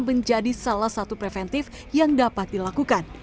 menjadi salah satu preventif yang dapat dilakukan